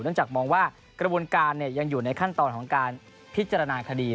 จากมองว่ากระบวนการยังอยู่ในขั้นตอนของการพิจารณาคดี